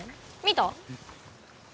見た？